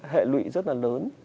hệ lụy rất là lớn